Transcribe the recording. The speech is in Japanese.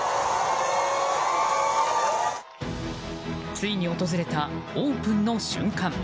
ついに訪れた、オープンの瞬間。